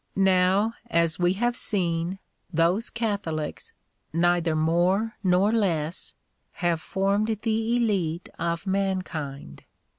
Now, as we have seen, those Catholics, neither more nor less, have formed the elite of mankind.